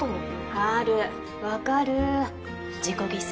あるわかる自己犠牲。